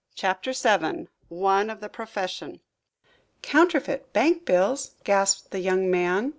CHAPTER VII ONE OF THE PROFESSION "Counterfeit bank bills!" gasped the young man.